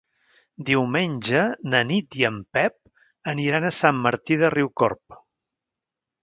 Diumenge na Nit i en Pep aniran a Sant Martí de Riucorb.